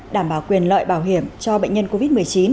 đảm bảo quyền lợi bảo hiểm cho bệnh nhân covid một mươi chín